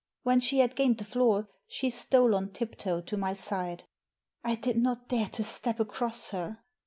When she had gained the floor she stole on tiptoe to my side. " I did not dare to step across her."